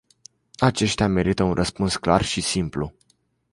Aceștia merită un răspuns clar și simplu.